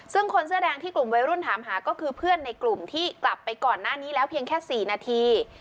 ซึ่งคนเสื้อแดงที่กลุ่มวัยรุ่นถามหาก็คือเพื่อนในกลุ่มที่กลับไปก่อนหน้านี้แล้วเพียงแค่๔นาที